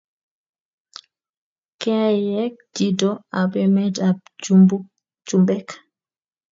Keiek chito ab emet ab chumbek